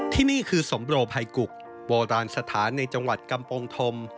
ที่นี่คือสมโรภัยกุกโบราณสถานในจังหวัดกำปงธม